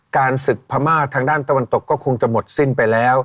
ศึกพม่าทางด้านตะวันตกก็คงจะหมดสิ้นไปแล้ว